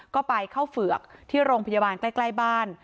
ก็ไปเข้าเฝือกที่โรงพยาบาลใกล้บ้าน